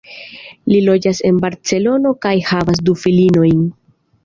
Li loĝas en Barcelono kaj havas du filinojn.